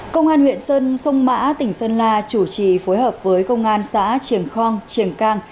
công an huyện sơn sông mã tỉnh sơn la chủ trì phối hợp với công an xã triển khong triển cang